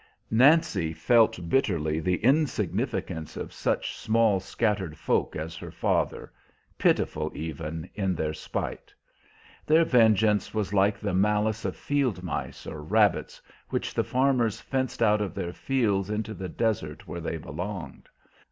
Nancy felt bitterly the insignificance of such small scattered folk as her father, pitiful even in their spite. Their vengeance was like the malice of field mice or rabbits, which the farmers fenced out of their fields into the desert where they belonged.